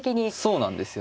そうなんですよね。